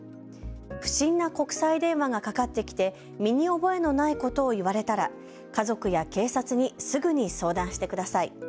不審な国際電話がかかってきて身に覚えのないことを言われたら家族や警察にすぐに相談してください。